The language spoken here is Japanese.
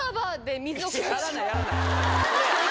やらないやらない。